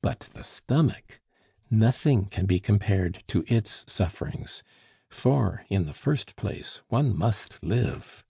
But the stomach!... Nothing can be compared to its sufferings; for, in the first place, one must live.